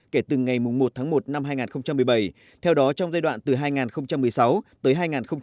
kể từ ngày một tháng một năm hai nghìn một mươi bảy theo đó trong giai đoạn từ hai nghìn một mươi sáu tới hai nghìn một mươi bảy